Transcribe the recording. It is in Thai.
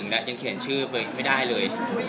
และยังเขียนชื่อไปไม่ได้เลย